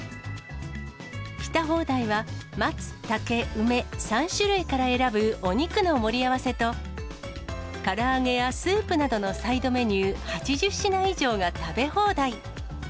ピタ放題は、松、竹、梅、３種類から選ぶお肉の盛り合わせと、から揚げやスープなどのサイドメニュー８０品以上が食べ放題。